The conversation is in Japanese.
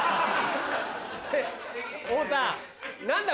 太田何だ？